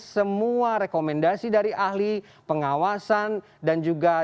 selamat sore pak hermawan